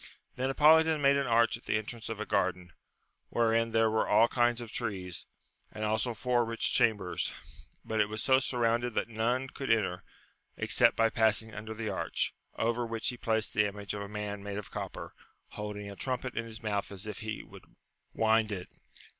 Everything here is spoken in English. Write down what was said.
Then Apolidon made an arch at the entrance of a garden, wherein there were all kinds of trees, and also four rich chambers, but it was so surrounded that none could enter, except by passing under the arch, over which he placed the image of a man made of copper, holding a trumpet in his mouth as if he would wind it.